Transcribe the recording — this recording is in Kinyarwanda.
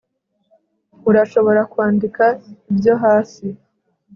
urashobora kwandika ibyo hasi